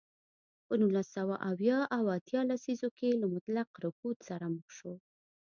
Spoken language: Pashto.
په نولس سوه اویا او اتیا لسیزو کې له مطلق رکود سره مخ شو.